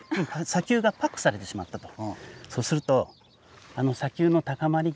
砂丘がパックされてしまったと。